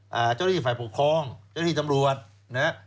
เจ้าหน้าที่ฝ่ายปกครองเจ้าหน้าที่ตำรวจนะฮะ